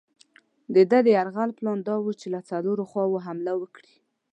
د ده د یرغل پلان دا وو چې له څلورو خواوو حمله وکړي.